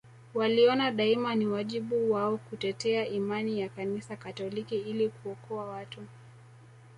Waliona daima ni wajibu wao kutetea imani ya kanisa katoliki ili kuokoa watu